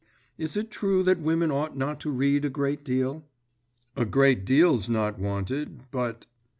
… Is it true that women ought not to read a great deal?' 'A great deal's not wanted, but.